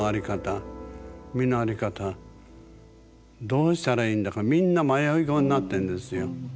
どうしたらいいんだかみんな迷い子になってんですよ。